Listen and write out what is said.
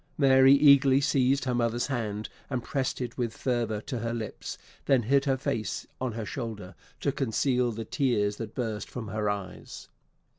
Mary eagerly seized her mother's hand, and pressed it with fervour to her lips; then hid her face on her shoulder to conceal the tears that burst from her eyes.